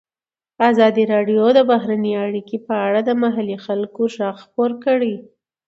ازادي راډیو د بهرنۍ اړیکې په اړه د محلي خلکو غږ خپور کړی.